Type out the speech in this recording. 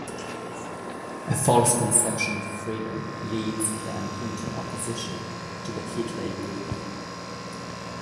A false conception of freedom leads them into opposition to the Hitler Youth.